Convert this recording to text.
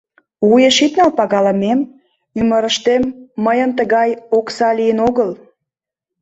— Вуеш ит нал, пагалымем, ӱмырыштем мыйын тыгай окса лийын огыл.